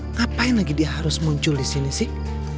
ngapain lagi dia harus muncul disini sih